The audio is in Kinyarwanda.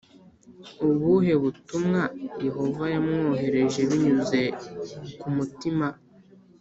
ubuhe butumwa Yehova yamwoherereje binyuze ku mutima